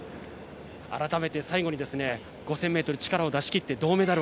改めて最後に５０００ｍ力を出し切って銅メダル。